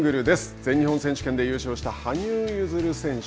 全日本選手権で優勝した羽生結弦選手。